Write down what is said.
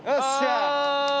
あ。